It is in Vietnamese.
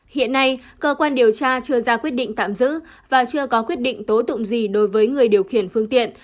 hiện nay cơ quan điều tra chưa ra quyết định tạm giữ và chưa có quyết định tố tụng gì đối với người điều khiển phương tiện